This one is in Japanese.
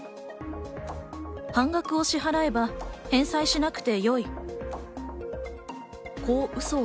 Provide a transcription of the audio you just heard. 半額を支払えば返済しなくてもよい。